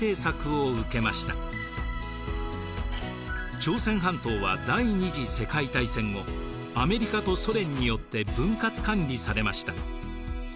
朝鮮半島は第２次世界大戦後アメリカとソ連によって分割管理されました。